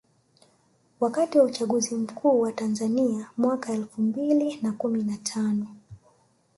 Wakati wa uchaguzi mkuu wa Tanzania mwaka elfu mbili na kumi na tano